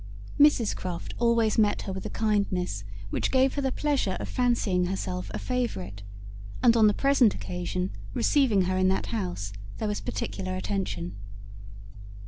Mrs Croft always met her with a kindness which gave her the pleasure of fancying herself a favourite, and on the present occasion, receiving her in that house, there was particular attention.